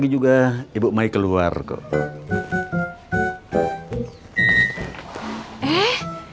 astaga nanti nggak ke luar luar